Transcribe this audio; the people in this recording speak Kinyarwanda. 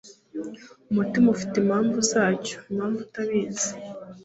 Umutima ufite impamvu zacyo impamvu itabizi.”